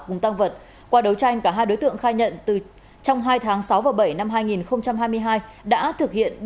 cùng tăng vật qua đấu tranh cả hai đối tượng khai nhận trong hai tháng sáu và bảy năm hai nghìn hai mươi hai đã thực hiện